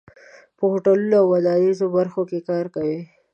په هوټلونو او ودانیزو برخو کې کار کوي.